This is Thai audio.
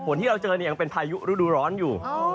ที่เราเจอเนี่ยยังเป็นพายุฤดูร้อนอยู่